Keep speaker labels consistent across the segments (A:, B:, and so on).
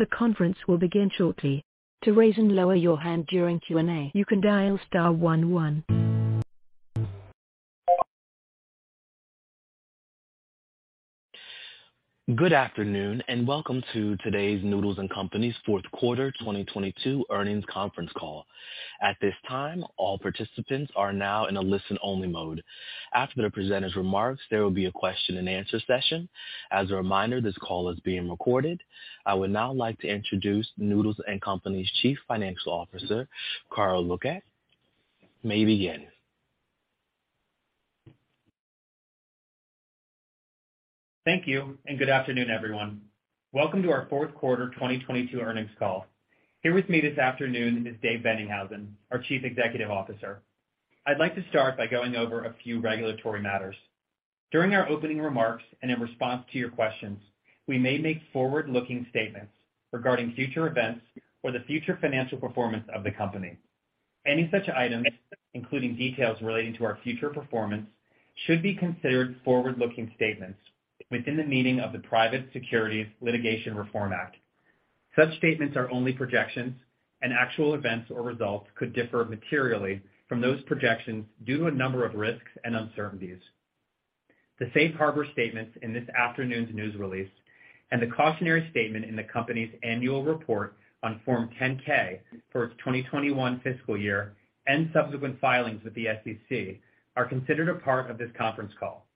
A: The conference will begin shortly. To raise and lower your hand during Q&A, you can dial star one one. Good afternoon, welcome to today's Noodles & Company's Fourth Quarter 2022 Earnings Conference Call. At this time, all participants are now in a listen-only mode. After the presenters' remarks, there will be a question and answer session. As a reminder, this call is being recorded. I would now like to introduce Noodles & Company's Chief Financial Officer, Carl Lukach. You may begin.
B: Thank you and good afternoon everyone. Welcome to our Fourth Quarter 2022 Earnings Call. Here with me this afternoon is Dave Boennighausen, our Chief Executive Officer. I'd like to start by going over a few regulatory matters. During our opening remarks and in response to your questions, we may make forward-looking statements regarding future events or the future financial performance of the company. Any such items, including details relating to our future performance, should be considered forward-looking statements within the meaning of the Private Securities Litigation Reform Act. Such statements are only projections and actual events or results could differ materially from those projections due to a number of risks and uncertainties. The safe harbor statements in this afternoon's news release and the cautionary statement in the company's annual report on Form 10-K for its 2021 fiscal year and subsequent filings with the SEC are considered a part of this conference call,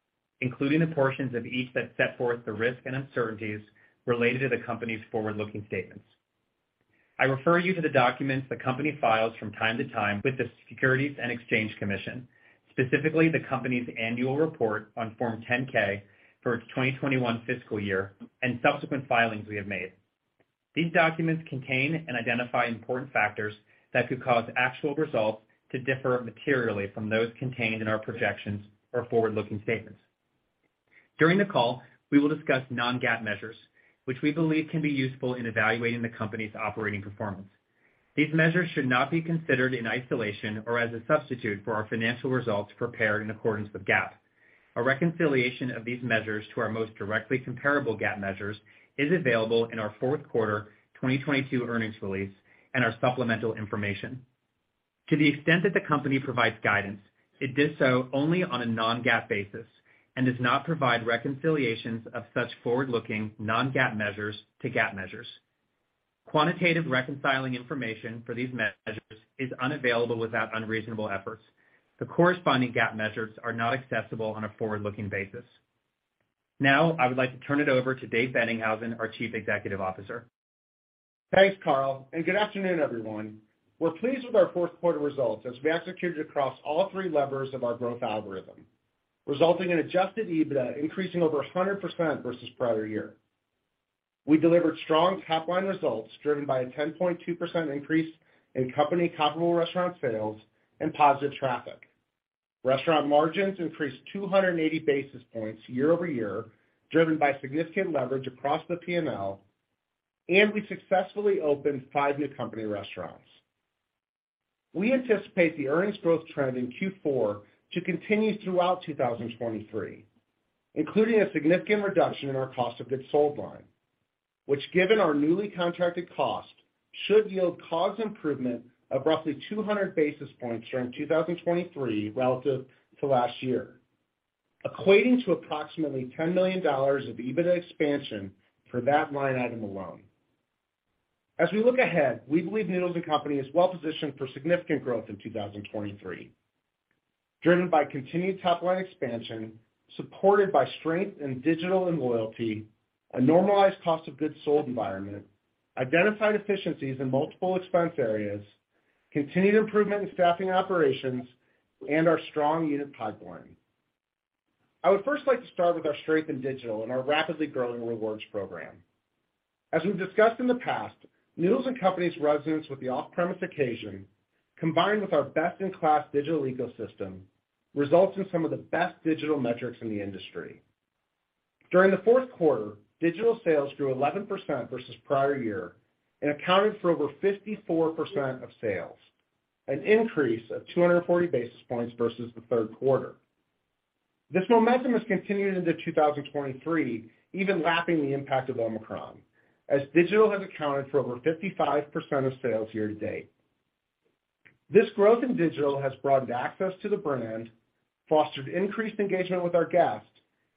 B: including the portions of each that set forth the risks and uncertainties related to the company's forward-looking statements. I refer you to the documents the company files from time to time with the Securities and Exchange Commission, specifically the company's annual report on Form 10-K for its 2021 fiscal year and subsequent filings we have made. These documents contain and identify important factors that could cause actual results to differ materially from those contained in our projections or forward-looking statements. During the call, we will discuss non-GAAP measures, which we believe can be useful in evaluating the company's operating performance. These measures should not be considered in isolation or as a substitute for our financial results prepared in accordance with GAAP. A reconciliation of these measures to our most directly comparable GAAP measures is available in our fourth quarter 2022 earnings release and our supplemental information. To the extent that the company provides guidance, it does so only on a non-GAAP basis and does not provide reconciliations of such forward-looking non-GAAP measures to GAAP measures. Quantitative reconciling information for these measures is unavailable without unreasonable efforts. The corresponding GAAP measures are not accessible on a forward-looking basis. I would like to turn it over to Dave Boennighausen, our Chief Executive Officer.
C: Thanks Carl. Good afternoon everyone. We're pleased with our fourth quarter results as we executed across all three levers of our growth algorithm, resulting in Adjusted EBITDA increasing over 100% versus prior year. We delivered strong top-line results driven by a 10.2% increase in company comparable restaurant sales and positive traffic. Restaurant margins increased 280 basis points year-over-year, driven by significant leverage across the P&L, and we successfully opened five new company restaurants. We anticipate the earnings growth trend in Q4 to continue throughout 2023, including a significant reduction in our cost of goods sold line, which given our newly contracted cost, should yield COGS improvement of roughly 200 basis points during 2023 relative to last year, equating to approximately $10 million of EBITDA expansion for that line item alone. As we look ahead, we believe Noodles & Company is well positioned for significant growth in 2023, driven by continued top-line expansion, supported by strength in digital and loyalty, a normalized cost of goods sold environment, identified efficiencies in multiple expense areas, continued improvement in staffing operations, and our strong unit pipeline. I would first like to start with our strength in digital and our rapidly growing rewards program. As we've discussed in the past, Noodles & Company's resonance with the off-premise occasion, combined with our best-in-class digital ecosystem, results in some of the best digital metrics in the industry. During the fourth quarter, digital sales grew 11% versus prior year and accounted for over 54% of sales, an increase of 240 basis points versus the third quarter. This momentum has continued into 2023, even lapping the impact of Omicron, as digital has accounted for over 55% of sales year-to-date. This growth in digital has broadened access to the brand, fostered increased engagement with our guests,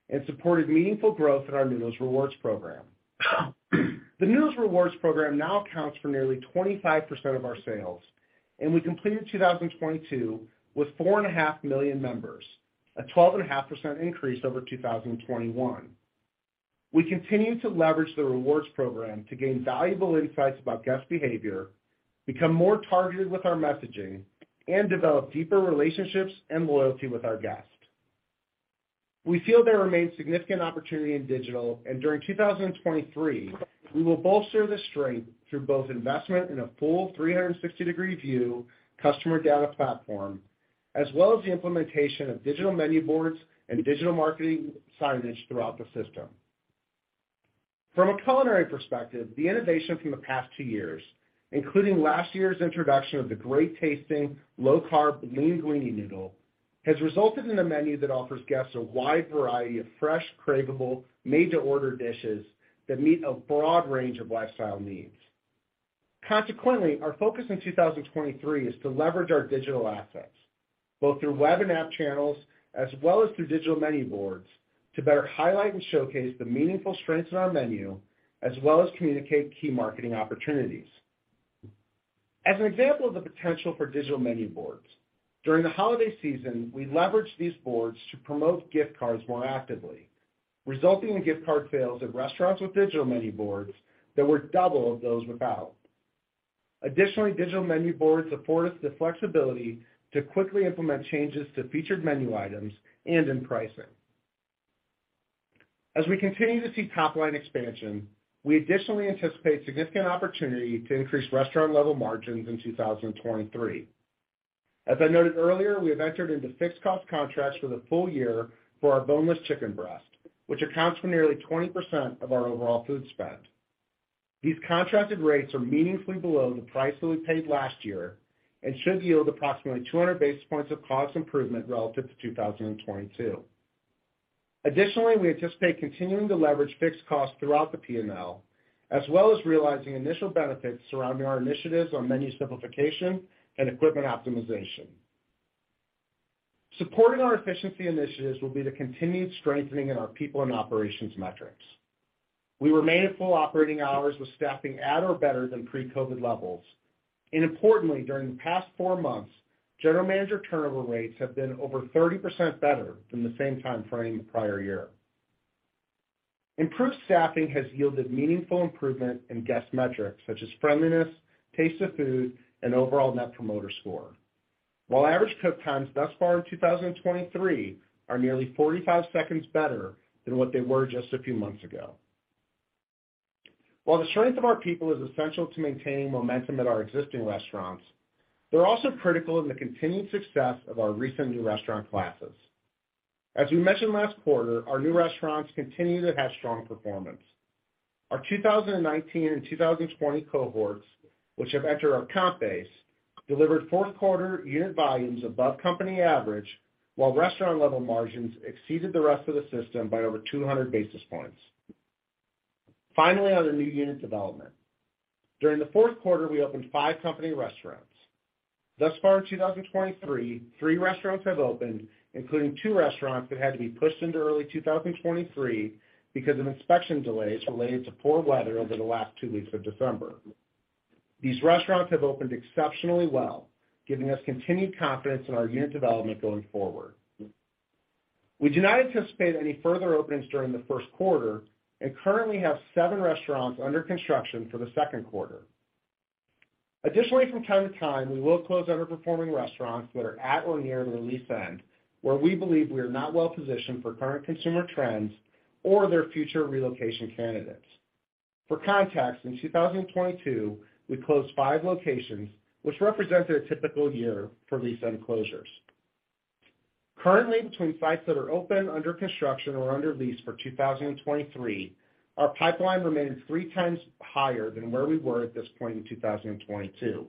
C: and supported meaningful growth in our Noodles Rewards program. The Noodles Rewards program now accounts for nearly 25% of our sales. We completed 2022 with 4.5 million members, a 12.5% increase over 2021. We continue to leverage the rewards program to gain valuable insights about guest behavior, become more targeted with our messaging, and develop deeper relationships and loyalty with our guests. We feel there remains significant opportunity in digital. During 2023, we will bolster this strength through both investment in a full 360-degree view customer data platform, as well as the implementation of digital menu boards and digital marketing signage throughout the system. From a culinary perspective, the innovation from the past two years, including last year's introduction of the great-tasting, low-carb LEANguini noodle has resulted in a menu that offers guests a wide variety of fresh, craveable, made to order dishes that meet a broad range of lifestyle needs. Consequently, our focus in 2023 is to leverage our digital assets, both through web and app channels, as well as through digital menu boards to better highlight and showcase the meaningful strengths in our menu, as well as communicate key marketing opportunities. As an example of the potential for digital menu boards, during the holiday season, we leveraged these boards to promote gift cards more actively, resulting in gift card sales at restaurants with digital menu boards that were double of those without. Additionally, digital menu boards afford us the flexibility to quickly implement changes to featured menu items and in pricing. As we continue to see top line expansion, we additionally anticipate significant opportunity to increase restaurant level margins in 2023. As I noted earlier, we have entered into fixed cost contracts for the full year for our boneless chicken breast, which accounts for nearly 20% of our overall food spend. These contracted rates are meaningfully below the price that we paid last year and should yield approximately 200 basis points of cost improvement relative to 2022. Additionally, we anticipate continuing to leverage fixed costs throughout the P&L, as well as realizing initial benefits surrounding our initiatives on menu simplification and equipment optimization. Supporting our efficiency initiatives will be the continued strengthening in our people and operations metrics. We remain at full operating hours with staffing at or better than pre-COVID levels. Importantly, during the past four months, general manager turnover rates have been over 30% better than the same time frame the prior year. Improved staffing has yielded meaningful improvement in guest metrics such as friendliness, taste of food, and overall Net Promoter Score. Average cook times thus far in 2023 are nearly 45 seconds better than what they were just a few months ago. While the strength of our people is essential to maintaining momentum at our existing restaurants, they're also critical in the continued success of our recent new restaurant classes. As we mentioned last quarter, our new restaurants continue to have strong performance. Our 2019 and 2020 cohorts, which have entered our comp base, delivered fourth quarter unit volumes above company average, while restaurant level margins exceeded the rest of the system by over 200 basis points. Finally, on the new unit development. During the fourth quarter, we opened five company restaurants. Thus far in 2023, three restaurants have opened, including two restaurants that had to be pushed into early 2023 because of inspection delays related to poor weather over the last two weeks of December. These restaurants have opened exceptionally well, giving us continued confidence in our unit development going forward. We do not anticipate any further openings during the first quarter and currently have seven restaurants under construction for the second quarter. From time to time, we will close underperforming restaurants that are at or near the lease end, where we believe we are not well positioned for current consumer trends or their future relocation candidates. For context, in 2022, we closed five locations, which represents a typical year for lease end closures. Currently, between sites that are open, under construction, or under lease for 2023, our pipeline remains 3x higher than where we were at this point in 2022,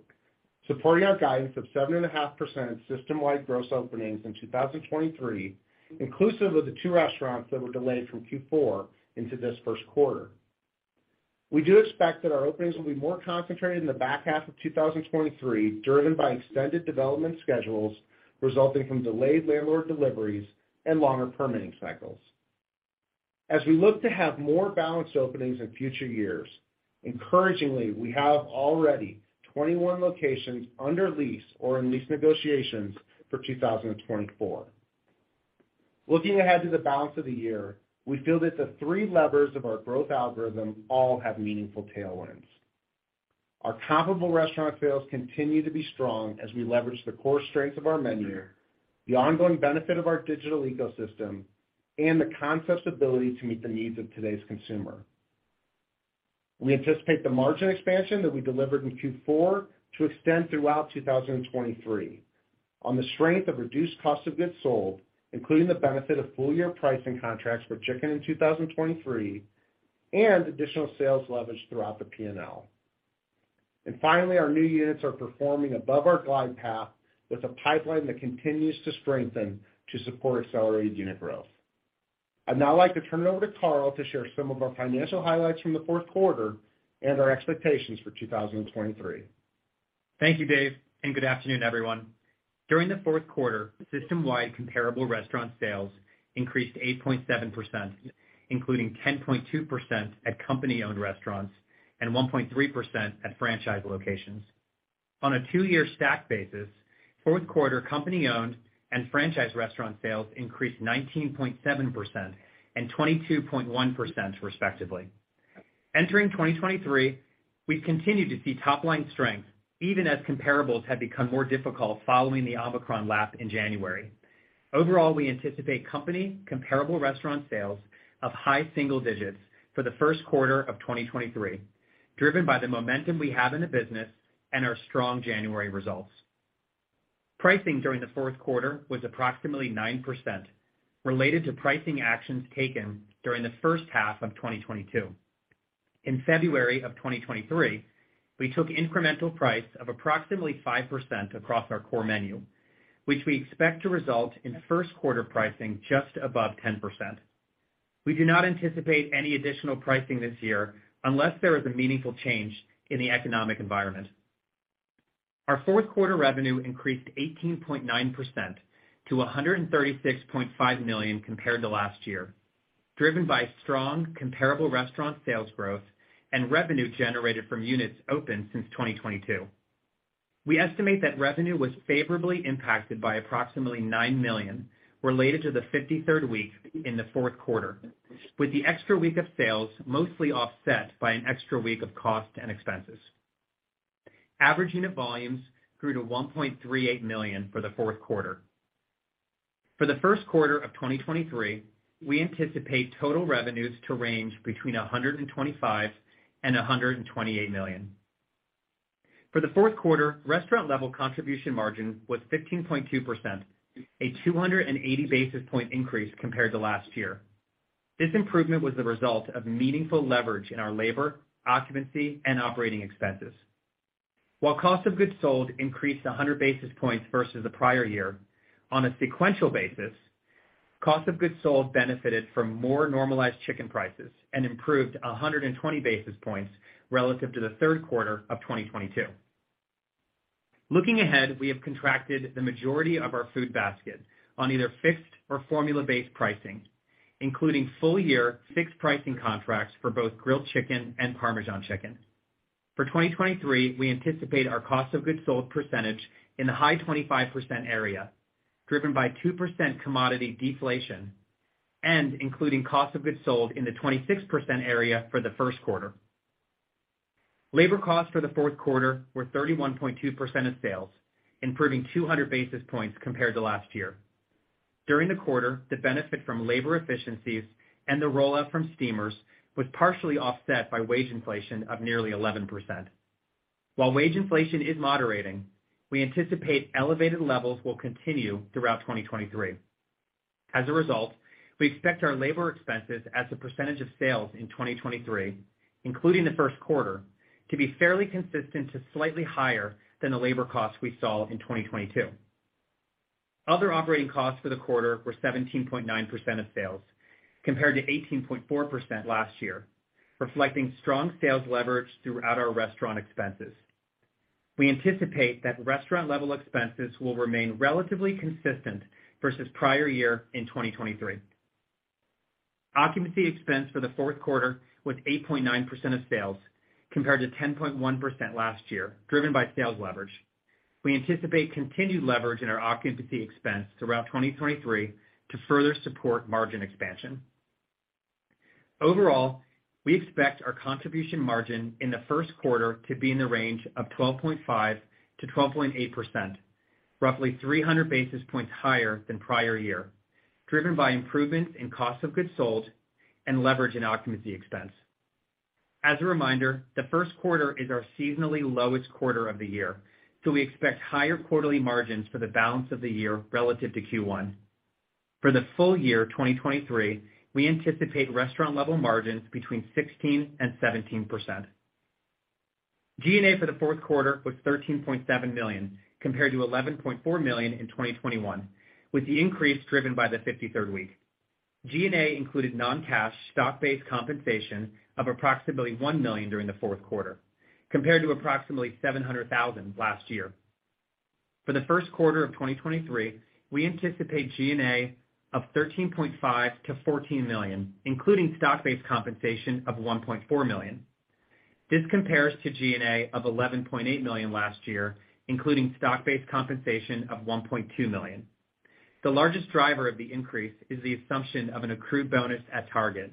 C: supporting our guidance of 7.5% system-wide gross openings in 2023, inclusive of the two restaurants that were delayed from Q4 into this first quarter. We do expect that our openings will be more concentrated in the back half of 2023, driven by extended development schedules resulting from delayed landlord deliveries and longer permitting cycles. As we look to have more balanced openings in future years, encouragingly, we have already 21 locations under lease or in lease negotiations for 2024. Looking ahead to the balance of the year, we feel that the three levers of our growth algorithm all have meaningful tailwinds. Our comparable restaurant sales continue to be strong as we leverage the core strengths of our menu, the ongoing benefit of our digital ecosystem, and the concept's ability to meet the needs of today's consumer. We anticipate the margin expansion that we delivered in Q4 to extend throughout 2023 on the strength of reduced cost of goods sold, including the benefit of full year pricing contracts for chicken in 2023 and additional sales leverage throughout the P&L. Finally, our new units are performing above our glide path with a pipeline that continues to strengthen to support accelerated unit growth. I'd now like to turn it over to Carl Lukach to share some of our financial highlights from the fourth quarter and our expectations for 2023.
B: Thank you Dave and good afternoon everyone. During the fourth quarter, system-wide comparable restaurant sales increased 8.7%, including 10.2% at company-owned restaurants and 1.3% at franchise locations. On a two-year stack basis, fourth quarter company-owned and franchise restaurant sales increased 19.7% and 22.1% respectively. Entering 2023, we've continued to see top line strength even as comparables have become more difficult following the Omicron lap in January. Overall, we anticipate company comparable restaurant sales of high single digits for the first quarter of 2023, driven by the momentum we have in the business and our strong January results. Pricing during the fourth quarter was approximately 9% related to pricing actions taken during the H1 of 2022. In February of 2023, we took incremental price of approximately 5% across our core menu, which we expect to result in first quarter pricing just above 10%. We do not anticipate any additional pricing this year unless there is a meaningful change in the economic environment. Our fourth quarter revenue increased 18.9% to $136.5 million compared to last year, driven by strong comparable restaurant sales growth and revenue generated from units opened since 2022. We estimate that revenue was favorably impacted by approximately $9 million related to the 53rd week in the fourth quarter, with the extra week of sales mostly offset by an extra week of costs and expenses. Average unit volumes grew to $1.38 million for the fourth quarter. For the first quarter of 2023, we anticipate total revenues to range between $125 million and $128 million. For the fourth quarter, restaurant level contribution margin was 15.2%, a 280 basis point increase compared to last year. This improvement was the result of meaningful leverage in our labor, occupancy, and operating expenses. While cost of goods sold increased 100 basis points versus the prior year, on a sequential basis, cost of goods sold benefited from more normalized chicken prices and improved 120 basis points relative to the third quarter of 2022. Looking ahead, we have contracted the majority of our food basket on either fixed or formula-based pricing, including full year fixed pricing contracts for both grilled chicken and parmesan chicken. For 2023, we anticipate our cost of goods sold percentage in the high 25% area, driven by 2% commodity deflation and including cost of goods sold in the 26% area for the first quarter. Labor costs for the fourth quarter were 31.2% of sales, improving 200 basis points compared to last year. During the quarter, the benefit from labor efficiencies and the rollout from steamers was partially offset by wage inflation of nearly 11%. While wage inflation is moderating, we anticipate elevated levels will continue throughout 2023. We expect our labor expenses as a percentage of sales in 2023, including the first quarter, to be fairly consistent to slightly higher than the labor costs we saw in 2022. Other operating costs for the quarter were 17.9% of sales, compared to 18.4% last year, reflecting strong sales leverage throughout our restaurant expenses. We anticipate that restaurant level expenses will remain relatively consistent versus prior year in 2023. Occupancy expense for the fourth quarter was 8.9% of sales, compared to 10.1% last year, driven by sales leverage. We anticipate continued leverage in our occupancy expense throughout 2023 to further support margin expansion. Overall, we expect our contribution margin in the first quarter to be in the range of 12.5%-12.8%, roughly 300 basis points higher than prior year, driven by improvements in cost of goods sold and leverage in occupancy expense. As a reminder, the first quarter is our seasonally lowest quarter of the year. We expect higher quarterly margins for the balance of the year relative to Q1. For the full year 2023, we anticipate restaurant level margins between 16%-17%. G&A for the fourth quarter was $13.7 million, compared to $11.4 million in 2021, with the increase driven by the 53rd week. G&A included non-cash stock-based compensation of approximately $1 million during the fourth quarter, compared to approximately $700,000 last year. For the first quarter of 2023, we anticipate G&A of $13.5 million-$14 million, including stock-based compensation of $1.4 million. This compares to G&A of $11.8 million last year, including stock-based compensation of $1.2 million. The largest driver of the increase is the assumption of an accrued bonus at Target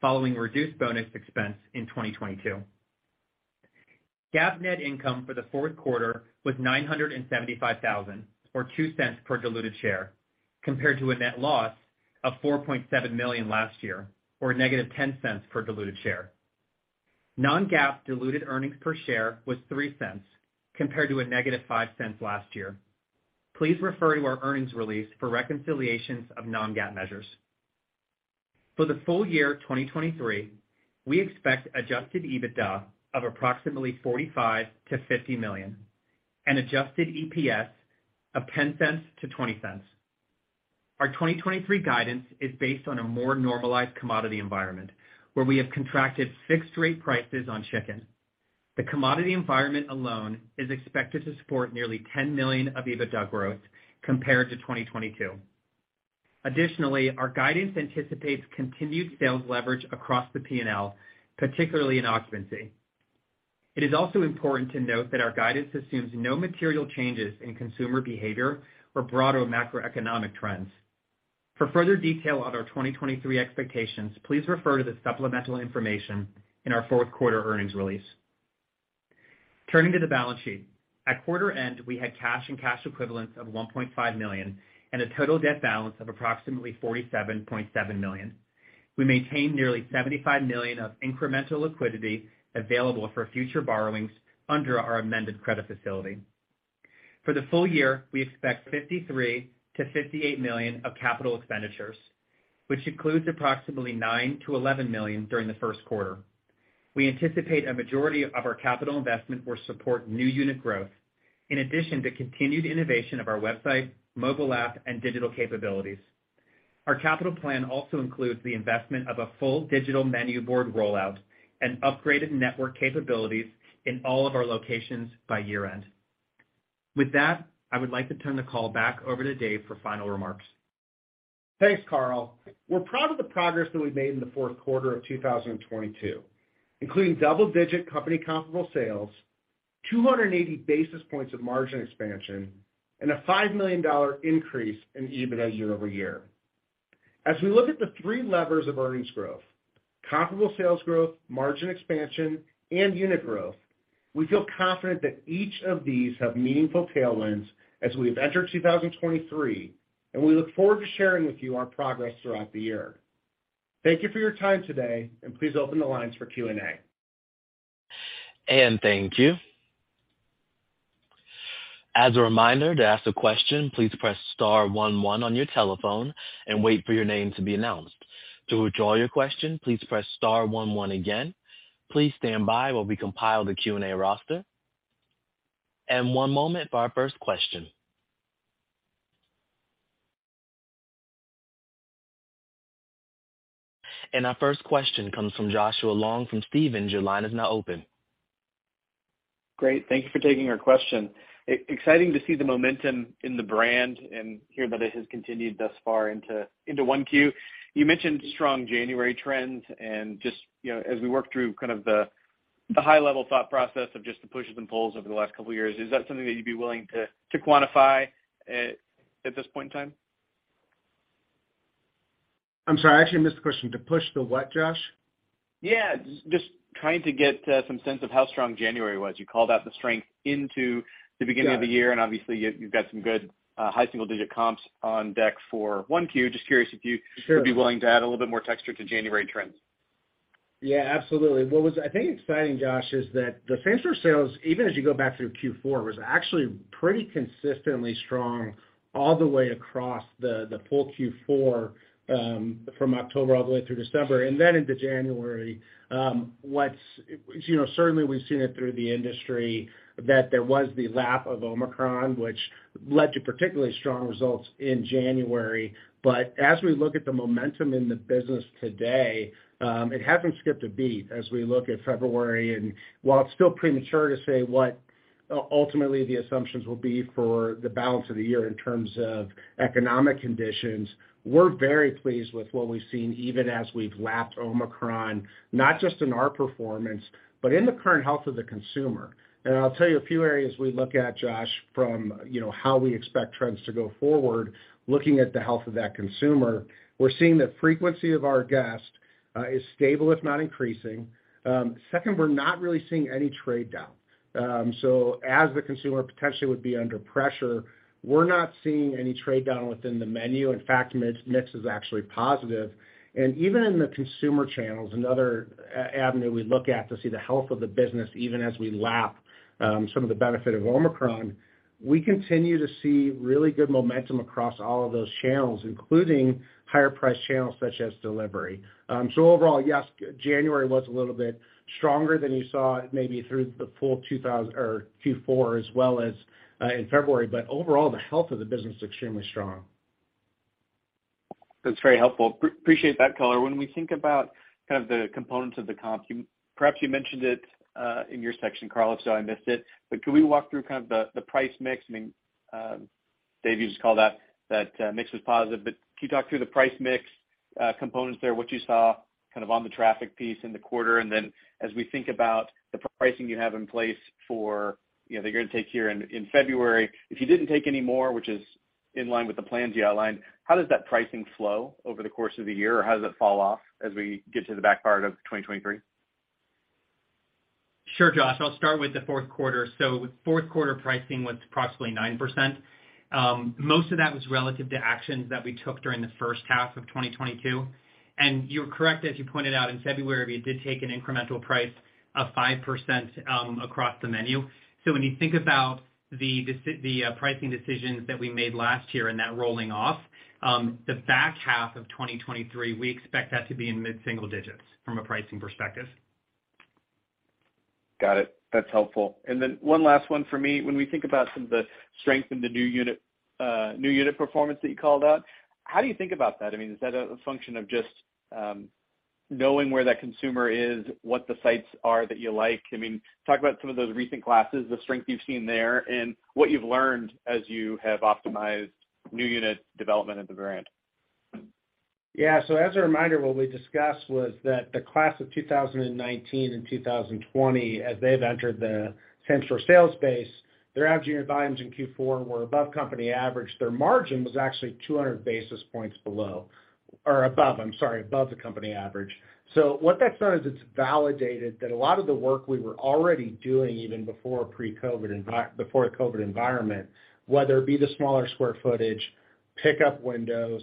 B: following reduced bonus expense in 2022. GAAP net income for the fourth quarter was $975,000, or $0.02 per diluted share, compared to a net loss of $4.7 million last year, or a negative $0.10 per diluted share. Non-GAAP diluted earnings per share was $0.03 compared to a negative $0.05 last year. Please refer to our earnings release for reconciliations of non-GAAP measures. For the full year 2023, we expect adjusted EBITDA of approximately $45 million-$50 million and adjusted EPS of $0.10-$0.20. Our 2023 guidance is based on a more normalized commodity environment where we have contracted fixed rate prices on chicken. The commodity environment alone is expected to support nearly $10 million of EBITDA growth compared to 2022. Our guidance anticipates continued sales leverage across the P&L, particularly in occupancy. It is also important to note that our guidance assumes no material changes in consumer behavior or broader macroeconomic trends. For further detail on our 2023 expectations, please refer to the supplemental information in our fourth quarter earnings release. Turning to the balance sheet. At quarter end, we had cash and cash equivalents of $1.5 million and a total debt balance of approximately $47.7 million. We maintained nearly $75 million of incremental liquidity available for future borrowings under our amended credit facility. For the full year, we expect $53 million-$58 million of capital expenditures, which includes approximately $9 million-$11 million during the first quarter. We anticipate a majority of our capital investment will support new unit growth in addition to continued innovation of our website, mobile app, and digital capabilities. Our capital plan also includes the investment of a full digital menu board rollout and upgraded network capabilities in all of our locations by year-end. With that, I would like to turn the call back over to Dave for final remarks.
C: Thanks Carl. We're proud of the progress that we've made in the fourth quarter of 2022, including double-digit company comparable sales, 280 basis points of margin expansion, and a $5 million increase in EBIT year-over-year. As we look at the three levers of earnings growth, comparable sales growth, margin expansion, and unit growth, we feel confident that each of these have meaningful tailwinds as we have entered 2023, and we look forward to sharing with you our progress throughout the year. Thank you for your time today. Please open the lines for Q&A.
A: Thank you. As a reminder, to ask a question, please press star one one on your telephone and wait for your name to be announced. To withdraw your question, please press star one one again. Please stand by while we compile the Q&A roster. One moment for our first question. Our first question comes from Joshua Long from Stephens. Your line is now open.
D: Great. Thank you for taking our question. Exciting to see the momentum in the brand and hear that it has continued thus far into 1Q. You mentioned strong January trends, just, you know, as we work through kind of the high level thought process of just the pushes and pulls over the last couple years, is that something that you'd be willing to quantify at this point in time?
C: I'm sorry. I actually missed the question. To push the what, Josh?
D: Yeah. Just trying to get some sense of how strong January was? You called out the strength into the.
C: Got it.
D: Of the year, and obviously you've got some good, high single digit comps on deck for 1Q. Just curious if you.
C: Sure.
D: Would be willing to add a little bit more texture to January trends.
C: Yeah, absolutely. What was, I think, exciting, Josh, is that the same store sales, even as you go back through Q4, was actually pretty consistently strong all the way across the full Q4, from October all the way through December and then into January. You know, certainly we've seen it through the industry that there was the lap of Omicron, which led to particularly strong results in January. As we look at the momentum in the business today, it hasn't skipped a beat as we look at February. While it's still premature to say what ultimately the assumptions will be for the balance of the year in terms of economic conditions, we're very pleased with what we've seen, even as we've lapped Omicron, not just in our performance, but in the current health of the consumer. I'll tell you a few areas we look at, Josh, from, you know, how we expect trends to go forward looking at the health of that consumer. We're seeing the frequency of our guests, is stable, if not increasing. Second, we're not really seeing any trade down. As the consumer potentially would be under pressure, we're not seeing any trade down within the menu. In fact, mix is actually positive. Even in the consumer channels, another avenue we look at to see the health of the business, even as we lap, some of the benefit of Omicron, we continue to see really good momentum across all of those channels, including higher priced channels such as delivery. Overall, yes, January was a little bit stronger than you saw maybe through the full Q4 as well as, in February. Overall, the health of the business is extremely strong.
D: That's very helpful. Appreciate that color. When we think about kind of the components of the comp, perhaps you mentioned it in your section, Carl Lukach, if so, I missed it. Can we walk through kind of the price mix? I mean, Dave Boennighausen, you just called out that mix was positive. Can you talk through the price mix components there, what you saw kind of on the traffic piece in the quarter? As we think about the pricing you have in place for, you know, that you're gonna take here in February, if you didn't take any more, which is in line with the plans you outlined, how does that pricing flow over the course of the year, or how does it fall off as we get to the back part of 2023?
B: Sure Josh. I'll start with the fourth quarter. Fourth quarter pricing was approximately 9%. Most of that was relative to actions that we took during the first half of 2022. You're correct, as you pointed out, in February, we did take an incremental price of 5% across the menu. When you think about the pricing decisions that we made last year and that rolling off, the back half of 2023, we expect that to be in mid-single digits from a pricing perspective.
D: Got it. That's helpful. One last one for me. When we think about some of the strength in the new unit, new unit performance that you called out, how do you think about that? I mean, is that a function of just knowing where that consumer is, what the sites are that you like? I mean, talk about some of those recent classes, the strength you've seen there, and what you've learned as you have optimized new unit development at the brand.
C: Yeah. As a reminder, what we discussed was that the class of 2019 and 2020, as they've entered the same store sales space, their average unit volumes in Q4 were above company average. Their margin was actually 200 basis points below or above, I'm sorry, above the company average. What that's done is it's validated that a lot of the work we were already doing even before pre-COVID before COVID environment, whether it be the smaller square footage pickup windows,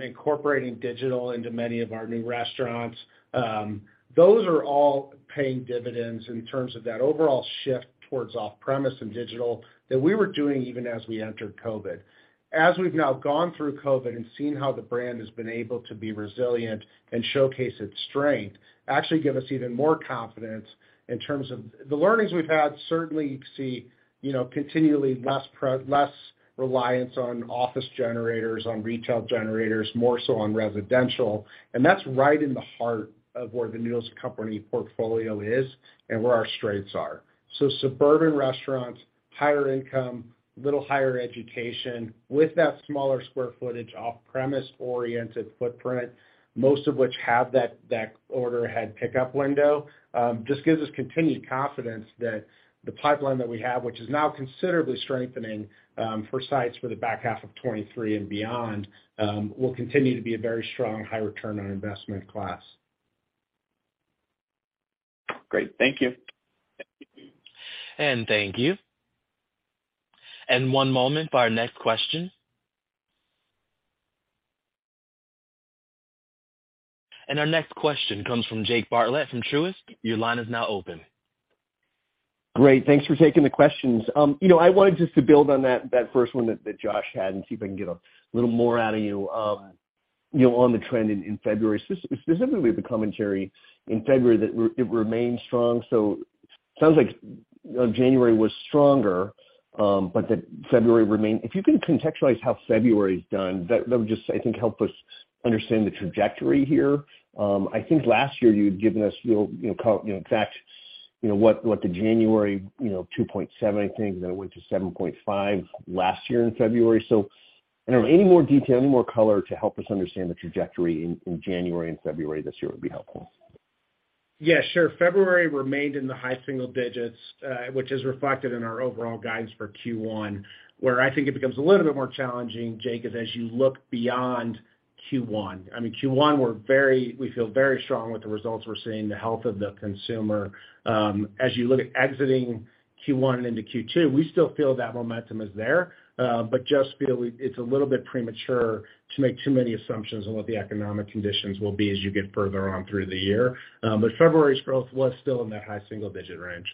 C: incorporating digital into many of our new restaurants. Those are all paying dividends in terms of that overall shift towards off-premise and digital that we were doing even as we entered COVID. As we've now gone through COVID and seen how the brand has been able to be resilient and showcase its strength, actually give us even more confidence in terms of. The learnings we've had, certainly you see, you know, continually less reliance on office generators, on retail generators, more so on residential, and that's right in the heart of where the Noodles & Company portfolio is and where our strengths are. Suburban restaurants, higher income, little higher education with that smaller square footage off-premise oriented footprint, most of which have that order ahead pickup window, just gives us continued confidence that the pipeline that we have, which is now considerably strengthening, for sites for the back half of 2023 and beyond, will continue to be a very strong high return on investment class.
E: Great. Thank you.
A: Thank you. One moment for our next question. Our next question comes from Jake Bartlett from Truist. Your line is now open.
E: Great. Thanks for taking the questions. You know, I wanted just to build on that first one that Josh had and see if I can get a little more out of you know, on the trend in February. Specifically the commentary in February that it remained strong. Sounds like January was stronger, but that February remained, If you could contextualize how February's done, that would just, I think, help us understand the trajectory here. I think last year you had given us real, you know, fact, you know, what the January, you know, 2.7%, I think, then it went to 7.5% last year in February. I don't know, any more detail, any more color to help us understand the trajectory in January and February this year would be helpful.
C: Yeah, sure. February remained in the high single digits, which is reflected in our overall guidance for Q1, where I think it becomes a little bit more challenging, Jake, is as you look beyond Q1. I mean, Q1, we feel very strong with the results we're seeing, the health of the consumer. As you look at exiting Q1 into Q2, we still feel that momentum is there, just feel it's a little bit premature to make too many assumptions on what the economic conditions will be as you get further on through the year. February's growth was still in that high single-digit range.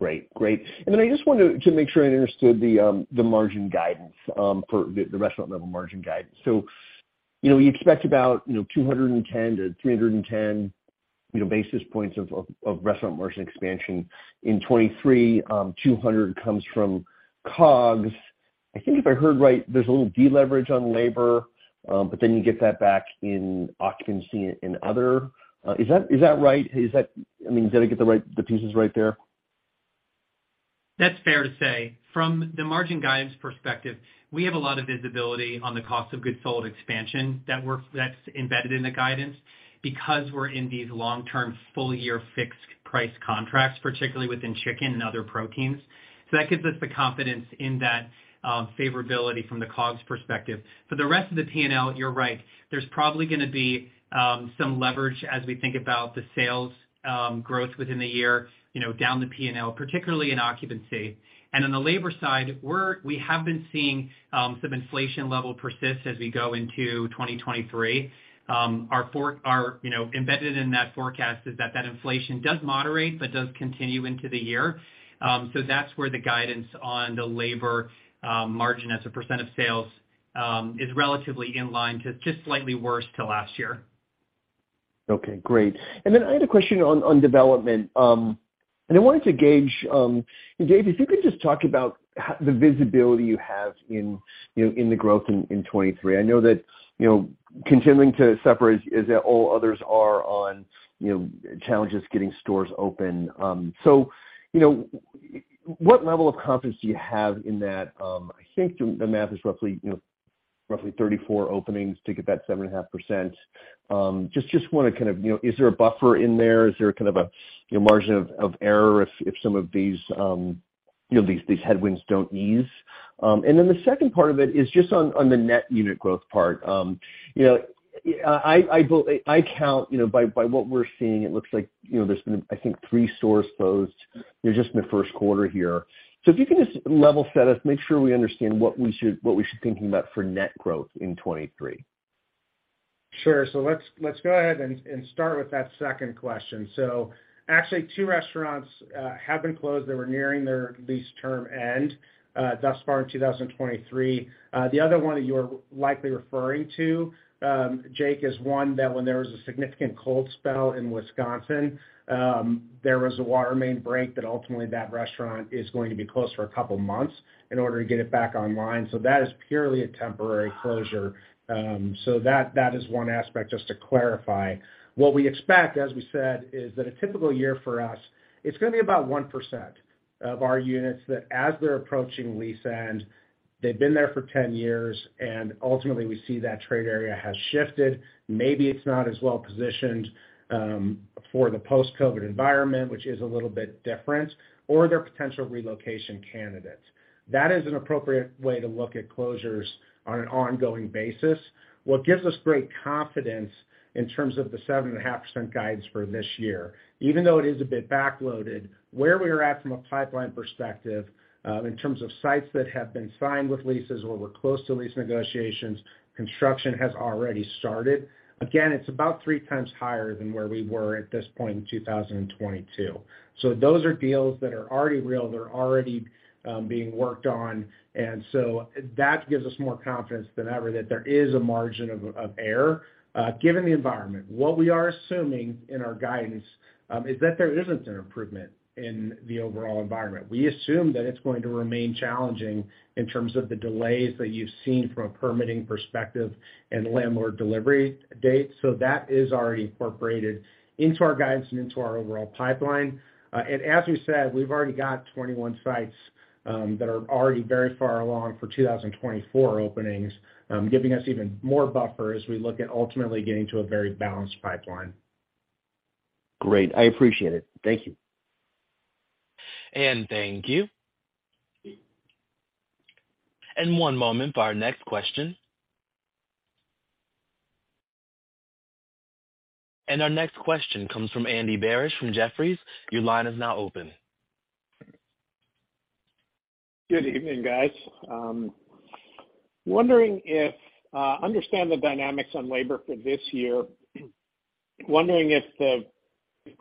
E: Great. Great. I just wanted to make sure I understood the margin guidance for the restaurant level margin guidance. You know, you expect about, you know, 210-310 basis points of restaurant margin expansion in 2023. 200 comes from COGS. I think if I heard right, there's a little deleverage on labor, but then you get that back in occupancy and other. Is that right? I mean, did I get the pieces right there?
B: That's fair to say. From the margin guidance perspective, we have a lot of visibility on the cost of goods sold expansion that's embedded in the guidance because we're in these long-term full year fixed price contracts, particularly within chicken and other proteins. That gives us the confidence in that favorability from the COGS perspective. For the rest of the P&L, you're right. There's probably gonna be some leverage as we think about the sales growth within the year, you know, down the P&L, particularly in occupancy. On the labor side, we have been seeing some inflation level persist as we go into 2023. Our, you know, embedded in that forecast is that that inflation does moderate but does continue into the year. That's where the guidance on the labor margin as a percentage of sales is relatively in line to just slightly worse to last year.
E: Okay, great. I had a question on development. I wanted to gauge Dave, if you could just talk about the visibility you have in, you know, in the growth in 2023. I know that, you know, continuing to suffer as all others are on, you know, challenges getting stores open. You know, what level of confidence do you have in that? I think the math is roughly, you know, roughly 34 openings to get that 7.5%. Just wanna kind of, you know, is there a buffer in there? Is there kind of a, you know, margin of error if these headwinds don't ease? The second part of it is just on the net unit growth part. You know, I count, you know, by what we're seeing, it looks like, you know, there's been, I think, three stores closed, you know, just in the first quarter here. If you can just level set us, make sure we understand what we should thinking about for net growth in 2023.
C: Sure. Let's go ahead and start with that second question. Actually two restaurants have been closed that were nearing their lease term end thus far in 2023. The other one that you're likely referring to, Jake, is one that when there was a significant cold spell in Wisconsin, there was a water main break that ultimately that restaurant is going to be closed for a couple months in order to get it back online. That is purely a temporary closure. That is one aspect, just to clarify. What we expect, as we said, is that a typical year for us, it's gonna be about 1% of our units that as they're approaching lease end, they've been there for 10 years, and ultimately we see that trade area has shifted. Maybe it's not as well positioned for the post-COVID environment, which is a little bit different, or they're potential relocation candidates. That is an appropriate way to look at closures on an ongoing basis. What gives us great confidence in terms of the 7.5% guidance for this year, even though it is a bit backloaded, where we're at from a pipeline perspective, in terms of sites that have been signed with leases or we're close to lease negotiations, construction has already started. Again, it's about 3x higher than where we were at this point in 2022. So those are deals that are already real. They're already being worked on. That gives us more confidence than ever that there is a margin of error given the environment. What we are assuming in our guidance, is that there isn't an improvement in the overall environment. We assume that it's going to remain challenging in terms of the delays that you've seen from a permitting perspective and landlord delivery date. That is already incorporated into our guidance and into our overall pipeline. And as we said, we've already got 21 sites, that are already very far along for 2024 openings, giving us even more buffer as we look at ultimately getting to a very balanced pipeline.
E: Great. I appreciate it. Thank you.
A: Thank you. One moment for our next question. Our next question comes from Andy Barish from Jefferies. Your line is now open.
F: Good evening, guys. wondering if, understand the dynamics on labor for this year. Wondering if the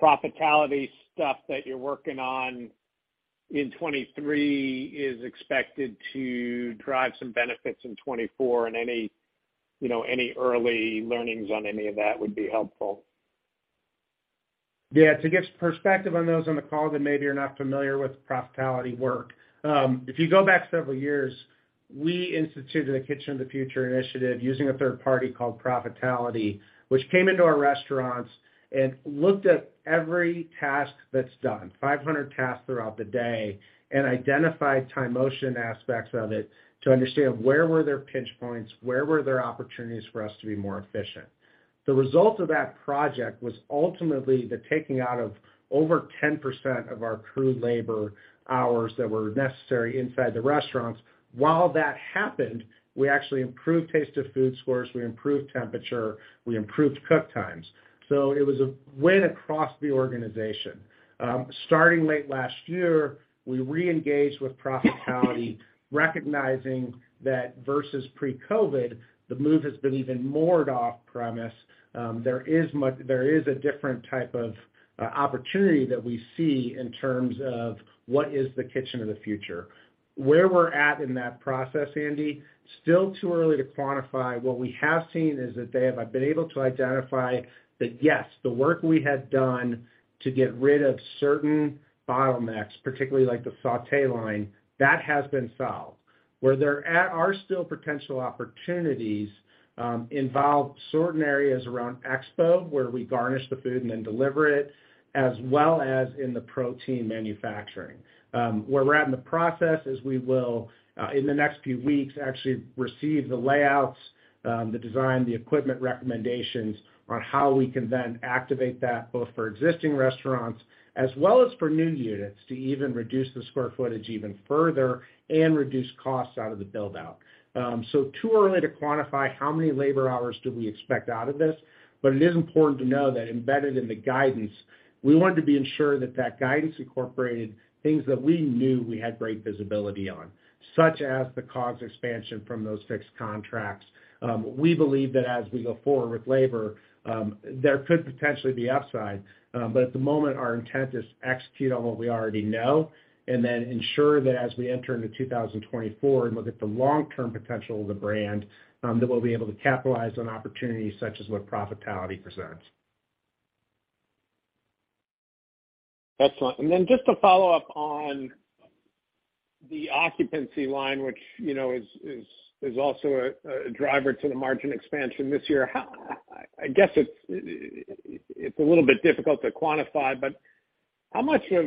F: Profitality stuff that you're working on in 2023 is expected to drive some benefits in 2024 and any, you know, any early learnings on any of that would be helpful.
C: To give perspective on those on the call that maybe are not familiar with Profitality work, if you go back several years, we instituted a Kitchen of the Future initiative using a third party called Profitality, which came into our restaurants and looked at every task that's done, 500 tasks throughout the day, and identified time motion aspects of it to understand where were their pinch points, where were there opportunities for us to be more efficient. The result of that project was ultimately the taking out of over 10% of our crew labor hours that were necessary inside the restaurants. While that happened, we actually improved taste of food scores, we improved temperature, we improved cook times. It was a win across the organization. Starting late last year, we reengaged with Profitality, recognizing that versus pre-COVID, the move has been even more off-premise. There is a different type of opportunity that we see in terms of what is the Kitchen of the Future. Where we're at in that process, Andy, still too early to quantify. What we have seen is that they have been able to identify that, yes, the work we had done to get rid of certain bottlenecks, particularly like the sauté line, that has been solved. Where there are still potential opportunities, involve certain areas around expo, where we garnish the food and then deliver it, as well as in the protein manufacturing. Where we're at in the process is we will, in the next few weeks, actually receive the layouts, the design, the equipment recommendations on how we can then activate that both for existing restaurants as well as for new units to even reduce the square footage even further and reduce costs out of the build-out. Too early to quantify how many labor hours do we expect out of this, but it is important to know that embedded in the guidance, we wanted to be ensured that that guidance incorporated things that we knew we had great visibility on, such as the COGS expansion from those fixed contracts. We believe that as we go forward with labor, there could potentially be upside but at the moment, our intent is execute on what we already know and then ensure that as we enter into 2024 and look at the long-term potential of the brand, that we'll be able to capitalize on opportunities such as what Profitality presents.
F: Excellent. Just to follow up on the occupancy line, which, you know, is also a driver to the margin expansion this year. I guess it's a little bit difficult to quantify, but how much of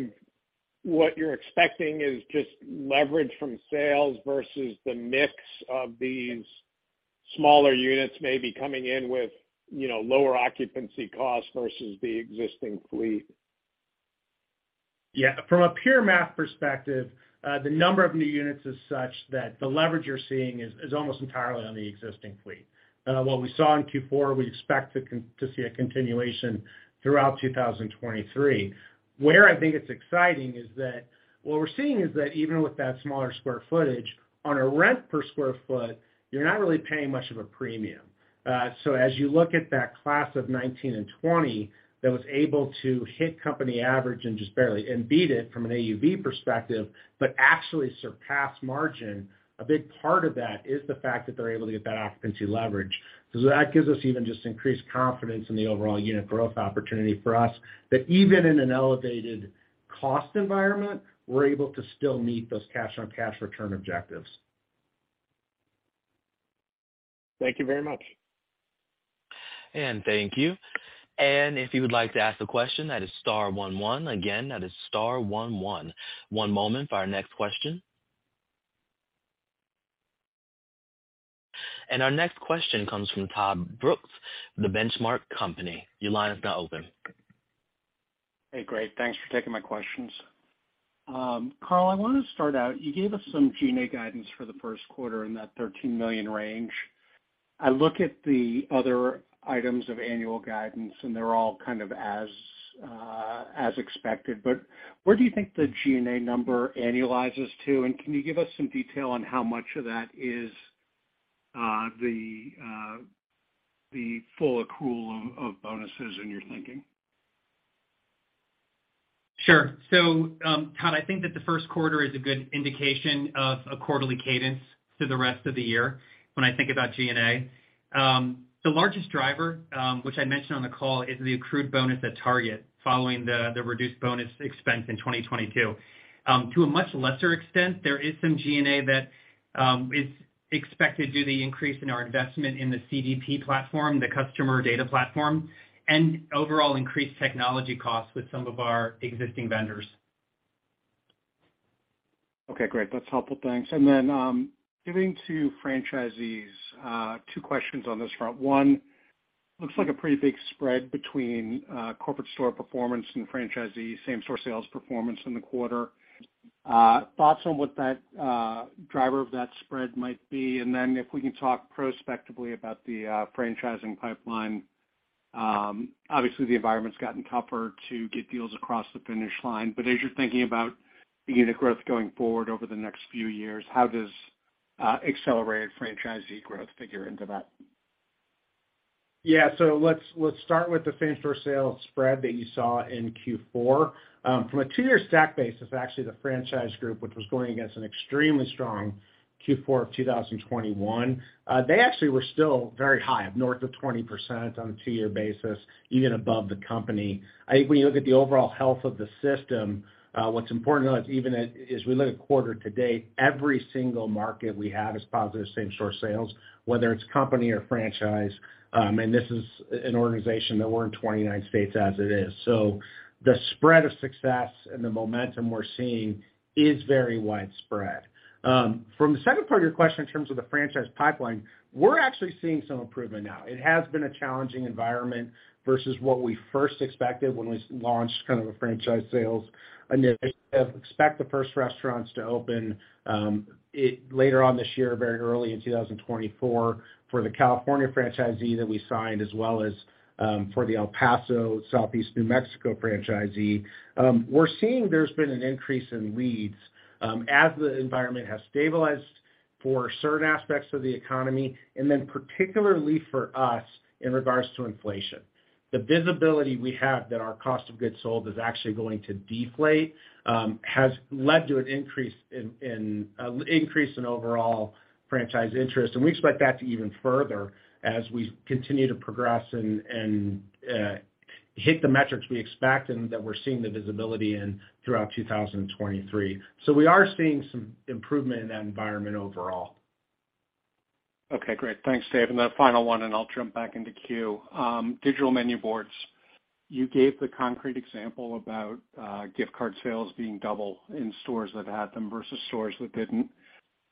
F: what you're expecting is just leverage from sales versus the mix of these smaller units maybe coming in with, you know, lower occupancy costs versus the existing fleet?
C: From a pure math perspective, the number of new units is such that the leverage you're seeing is almost entirely on the existing fleet. What we saw in Q4, we expect to see a continuation throughout 2023. Where I think it's exciting is that what we're seeing is that even with that smaller square footage, on a rent per square foot, you're not really paying much of a premium. As you look at that class of 2019 and 2020 that was able to hit company average and just barely and beat it from an AUV perspective, but actually surpass margin, a big part of that is the fact that they're able to get that occupancy leverage. That gives us even just increased confidence in the overall unit growth opportunity for us, that even in an elevated cost environment, we're able to still meet those cash-on-cash return objectives.
F: Thank you very much.
A: Thank you. If you would like to ask a question, that is star one one. Again, that is star one one. One moment for our next question. Our next question comes from Todd Brooks, The Benchmark Company. Your line is now open.
G: Hey, great. Thanks for taking my questions. Carl, I wanna start out, you gave us some G&A guidance for the first quarter in that $13 million range. I look at the other items of annual guidance, and they're all kind of as expected. Where do you think the G&A number annualizes to, and can you give us some detail on how much of that is the full accrual of bonuses in your thinking?
B: Sure. Todd, I think that the first quarter is a good indication of a quarterly cadence to the rest of the year when I think about G&A. The largest driver, which I mentioned on the call is the accrued bonus at Target following the reduced bonus expense in 2022. To a much lesser extent, there is some G&A that is expected due to the increase in our investment in the CDP platform, the customer data platform, and overall increased technology costs with some of our existing vendors.
G: Okay, great. That's helpful. Thanks. Giving to franchisees, two questions on this front. One, looks like a pretty big spread between corporate store performance and franchisee same-store sales performance in the quarter. Thoughts on what that driver of that spread might be. If we can talk prospectively about the franchising pipeline, obviously the environment's gotten tougher to get deals across the finish line. As you're thinking about unit growth going forward over the next few years, how does accelerated franchisee growth figure into that?
C: Yeah. Let's start with the same-store sales spread that you saw in Q4. From a two-year stack base, it's actually the franchise group which was going against an extremely strong Q4 of 2021. They actually were still very high, up north of 20% on a 2-year basis, even above the company. I think when you look at the overall health of the system, what's important to know is even as we look at quarter to date, every single market we have is positive same-store sales, whether it's company or franchise. This is an organization that we're in 29 states as it is. The spread of success and the momentum we're seeing is very widespread. From the second part of your question, in terms of the franchise pipeline, we're actually seeing some improvement now. It has been a challenging environment versus what we first expected when we launched kind of a franchise sales initiative. Expect the first restaurants to open later on this year, very early in 2024 for the California franchisee that we signed, as well as for the El Paso, Southeast New Mexico franchisee. We're seeing there's been an increase in leads as the environment has stabilized for certain aspects of the economy, and then particularly for us in regards to inflation. The visibility we have that our cost of goods sold is actually going to deflate has led to an increase in overall franchise interest. We expect that to even further as we continue to progress and hit the metrics we expect and that we're seeing the visibility in throughout 2023. We are seeing some improvement in that environment overall.
G: Okay, great. Thanks, Dave. The final one, and I'll jump back into queue. Digital menu boards, you gave the concrete example about gift card sales being double in stores that had them versus stores that didn't.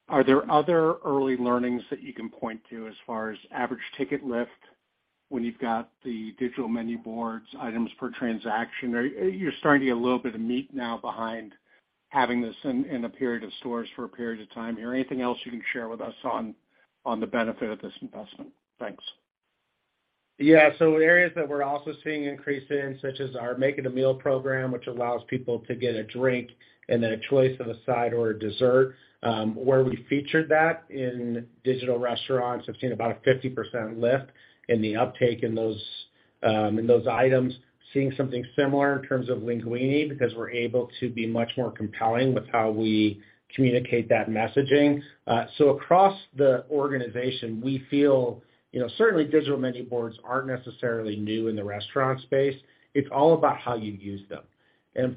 G: Are there other early learnings that you can point to as far as average ticket lift when you've got the digital menu boards items per transaction? You're starting to get a little bit of meat now behind having this in a period of stores for a period of time here. Anything else you can share with us on the benefit of this investment? Thanks.
C: Areas that we're also seeing increase in, such as our Make It a Meal program, which allows people to get a drink and then a choice of a side or a dessert, where we featured that in digital restaurants have seen about a 50% lift in the uptake in those in those items. Seeing something similar in terms of LEANguini because we're able to be much more compelling with how we communicate that messaging. Across the organization, we feel, you know, certainly digital menu boards aren't necessarily new in the restaurant space. It's all about how you use them.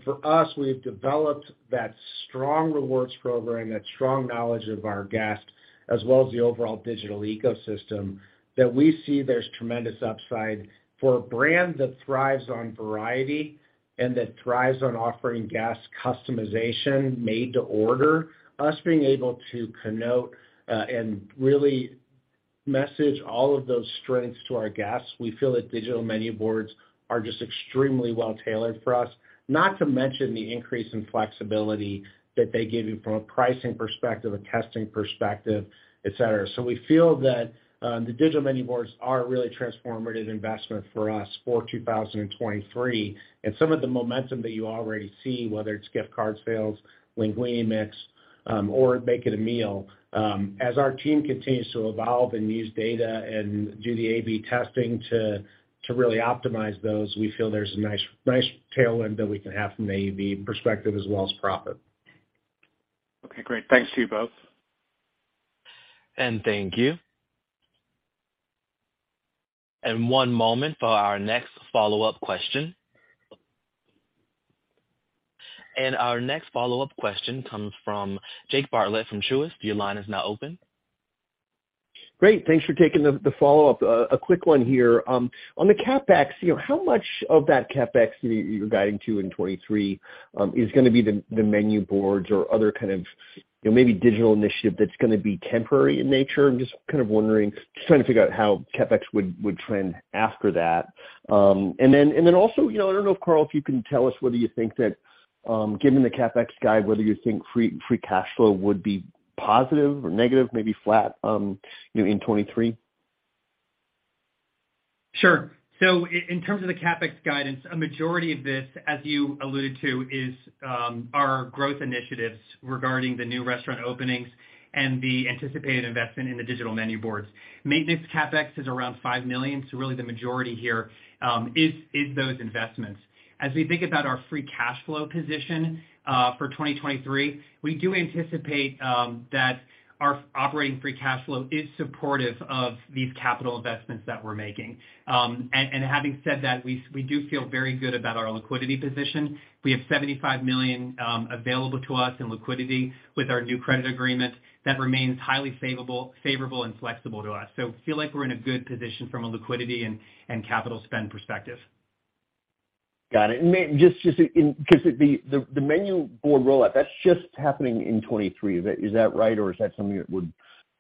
C: For us, we've developed that strong rewards program, that strong knowledge of our guest, as well as the overall digital ecosystem that we see there's tremendous upside for a brand that thrives on variety and that thrives on offering guest customization made to order. Us being able to connote and really message all of those strengths to our guests, we feel that digital menu boards are just extremely well tailored for us, not to mention the increase in flexibility that they give you from a pricing perspective, a testing perspective, et cetera. We feel that the digital menu boards are a really transformative investment for us for 2023. Some of the momentum that you already see, whether it's gift cards sales, LEANguini mix, or Make It a Meal, as our team continues to evolve and use data and do the AB testing to really optimize those, we feel there's a nice tailwind that we can have from the AB perspective as well as profit.
G: Okay, great. Thanks to you both.
A: Thank you. One moment for our next follow-up question. Our next follow-up question comes from Jake Bartlett from Truist. Your line is now open.
E: Great. Thanks for taking the follow-up. A quick one here. On the CapEx, you know, how much of that CapEx you're guiding to in 2023, is gonna be the menu boards or other kind of, you know, maybe digital initiative that's gonna be temporary in nature? I'm just kind of wondering, just trying to figure out how CapEx would trend after that. Then, and then also, you know, I don't know if, Carl, if you can tell us whether you think that, given the CapEx guide, whether you think free cash flow would be positive or negative, maybe flat, you know, in 2023?
B: Sure. In terms of the CapEx guidance, a majority of this, as you alluded to, is our growth initiatives regarding the new restaurant openings and the anticipated investment in the digital menu boards. Maintenance CapEx is around $5 million, really the majority here is those investments. As we think about our free cash flow position for 2023, we do anticipate that our operating free cash flow is supportive of these capital investments that we're making. And having said that, we do feel very good about our liquidity position. We have $75 million available to us in liquidity with our new credit agreement that remains highly favorable and flexible to us. Feel like we're in a good position from a liquidity and capital spend perspective.
E: Got it. just in, the menu board rollout, that's just happening in 2023. Is that, is that right? Or is that something that would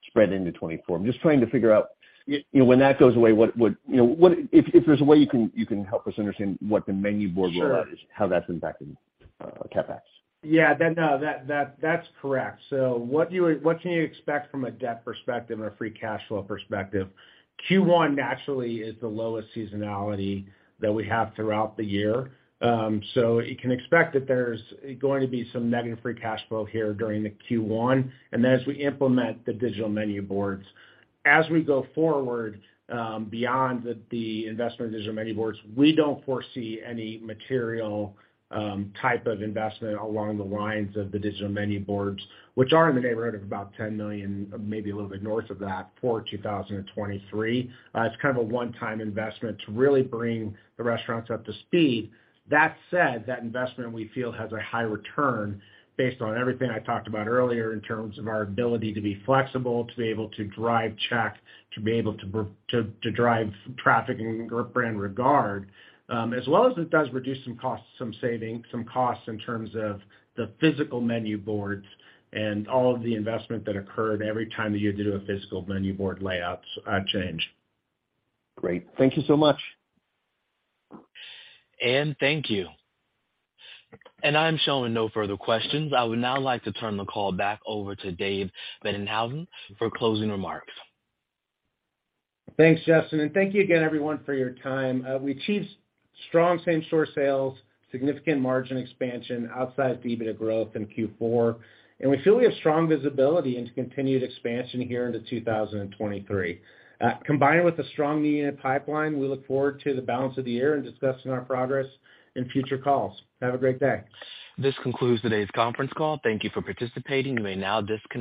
E: spread into 2024? I'm just trying to figure out, you know, when that goes away, what you know, if there's a way you can help us understand what the menu board rollout is.
C: Sure.
E: how that's impacting, CapEx.
C: Yeah. That, no, that's correct. What can you expect from a debt perspective or a free cash flow perspective? Q1 naturally is the lowest seasonality that we have throughout the year. You can expect that there's going to be some negative free cash flow here during the Q1. As we implement the digital menu boards, as we go forward, beyond the investment in digital menu boards, we don't foresee any material type of investment along the lines of the digital menu boards, which are in the neighborhood of about $10 million, maybe a little bit north of that for 2023. It's kind of a one-time investment to really bring the restaurants up to speed. That said, that investment we feel has a high return based on everything I talked about earlier in terms of our ability to be flexible, to be able to drive check, to be able to drive traffic and brand regard, as well as it does reduce some costs in terms of the physical menu boards and all of the investment that occurred every time that you do a physical menu board layouts change.
E: Great. Thank you so much.
A: Thank you. I'm showing no further questions. I would now like to turn the call back over to Dave Boennighausen for closing remarks.
C: Thanks, Justin, thank you again everyone for your time. We achieved strong same-store sales, significant margin expansion, outsized EBITDA growth in Q4, and we feel we have strong visibility into continued expansion here into 2023. Combined with a strong new unit pipeline, we look forward to the balance of the year and discussing our progress in future calls. Have a great day.
A: This concludes today's conference call. Thank you for participating. You may now disconnect.